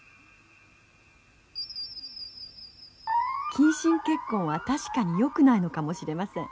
近親結婚は確かによくないのかもしれません。